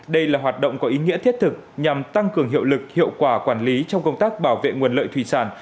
đây là hoạt động có ý nghĩa thiết thực nhằm tăng cường hiệu lực hiệu quả quản lý trong công tác bảo vệ nguồn lợi thủy sản